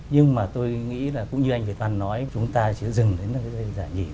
nhưng mà tôi nghĩ là cũng như anh việt văn nói chúng ta chỉ dừng đến cái giải nhì